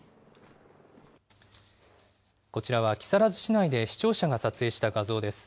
こちらは木更津市内で視聴者が撮影した画像です。